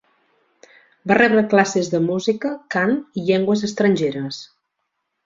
Va rebre classes de música, cant i llengües estrangeres.